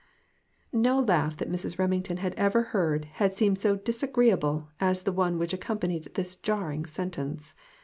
No laugh that Mrs. Remington had ever heard had seemed so disagreeable as the one which accompanied this jarring sentence.